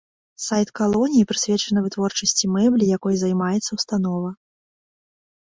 Сайт калоніі прысвечаны вытворчасці мэблі, якой займаецца ўстанова.